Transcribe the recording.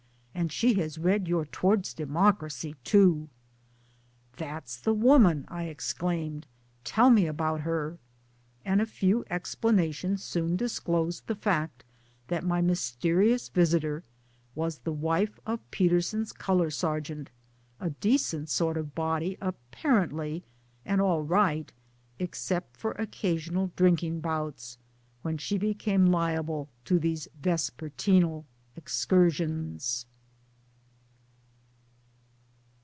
and she has read your Towards Democracy too." " That's the woman," I exclaimed, " tell me about her !" and a few explanations soon disclosed the fact that my mysterious visitor was the wife of Peterson's colour sergeant a decent sort of body apparently, and all right except for occasional drinking bouts, when she became liable to these vespertinal excursions